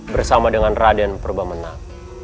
bersama dengan raden purba menak